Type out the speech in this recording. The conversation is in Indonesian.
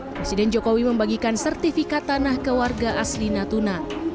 presiden jokowi membagikan sertifikat tanah ke warga asli natuna